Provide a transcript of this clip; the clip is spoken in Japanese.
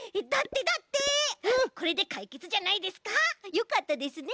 よかったですね